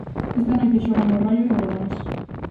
Esta noite xogan o Raio e o Leganés.